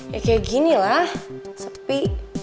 ya kayak ginilah sepi